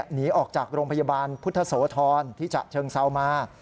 หนีออกจากโรงพยาบาลพุทธโสธรที่ฉะเชิงเซามา